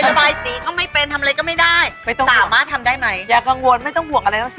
บายสีก็ไม่เป็นทำอะไรก็ไม่ได้ไม่ต้องสามารถทำได้ไหมอย่ากังวลไม่ต้องห่วงอะไรแล้วสิ